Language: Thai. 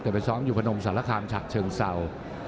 เดี๋ยวไปซ้อมอยู่พนมสารคามชาติเชิงเศร้า